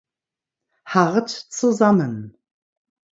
Hart zusammen.